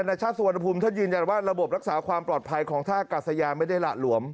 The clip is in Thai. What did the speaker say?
ชาติสุวรรณภูมิท่านยืนยันว่าระบบรักษาความปลอดภัยของท่ากาศยานไม่ได้หละหลวม